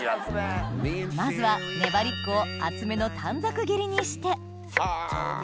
まずはねばりっこを厚めの短冊切りにしてはぁ！